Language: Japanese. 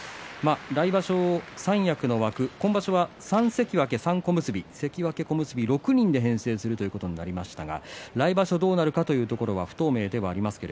来場所、三役の枠今場所は３関脇３小結６人で編成するということになりましたが来場所どうなるかというところは不透明ではあります。